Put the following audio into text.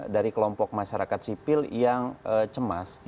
dari kelompok masyarakat sipil yang cemas